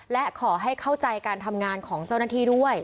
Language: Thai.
และขอให้เข้าใจการทำงานของเจ้าหน้าที่ด้วย